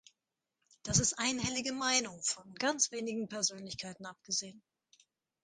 Das ist einhellige Meinung, von ganz wenigen Persönlichkeiten abgesehen.